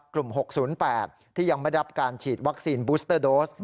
กลุ่ม๖๐๘ที่ยังไม่ได้รับการฉีดวัคซีนบูสเตอร์โดส